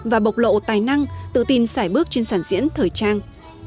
và bộc lộ tài năng tự tin sải bước trên sản diễn thời trang